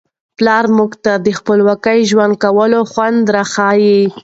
پلار موږ ته د خپلواک ژوند کولو خوند را ښيي.